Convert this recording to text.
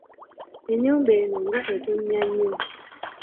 Ennyumba enno nga etonya nnyo.